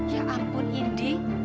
ya ampun endi